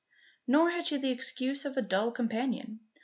Nor had she the excuse of a dull companion.